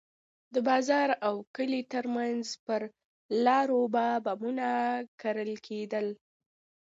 د بازار او کلي ترمنځ پر لارو به بمونه کرل کېدل.